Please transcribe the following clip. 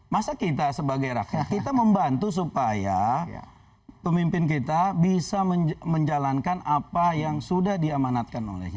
masa kita sebagai rakyat kita membantu supaya pemimpin kita bisa menjalankan apa yang sudah diamanatkan oleh kita